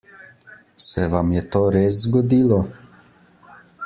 Se vam je to res zgodilo?